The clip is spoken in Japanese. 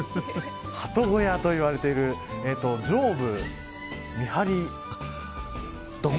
ハト小屋といわれている上部見張り所。